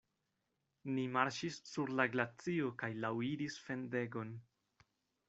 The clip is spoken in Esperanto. Ni marŝis sur la glacio kaj laŭiris fendegon.